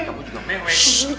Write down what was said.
kamu juga mewe